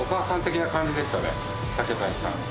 竹谷さん